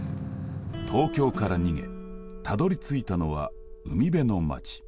東京から逃げたどりついたのは海辺の町。